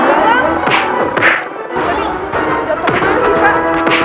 tapi jatuh aja nih pak